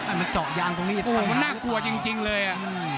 อันนั้นเจาะยางตรงนี้มันน่ากลัวจริงเลย